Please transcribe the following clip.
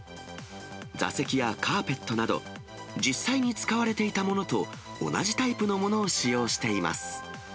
座席やカーペットなど、実際に使われていたものと同じタイプのものを使用しています。